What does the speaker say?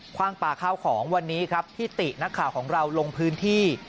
ว่างปลาข้าวของวันนี้ครับที่ตินักข่าวของเราลงพื้นที่